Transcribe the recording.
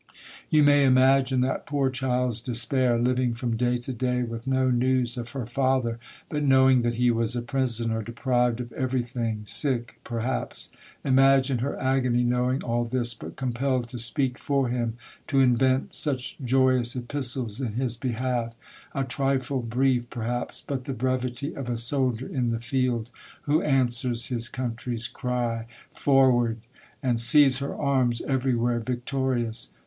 You may imagine that poor child's despair, living from day to day with no news of her father, but knowing that he was a prisoner, deprived of every thing, sick, perhaps, — imagine her agony knowing all this, but compelled to speak for him, to invent such joyous epistles in his behalf, a trifle brief, perhaps, but the brevity of a soldier in the field, 48 Monday Tales, who answers his country's cry, ' Forward !' and sees her arms everywhere victorious.